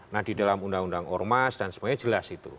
nah di dalam undang undang ormas dan semuanya jelas itu